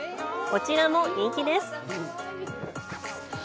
こちらも人気です。